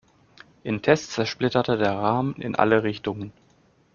In Tests zersplitterte der Rahmen in alle Richtungen.